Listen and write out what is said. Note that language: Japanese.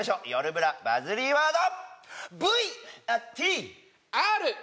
ブラバズりワード